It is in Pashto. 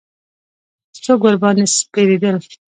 څوک ورباندې سپرېدل.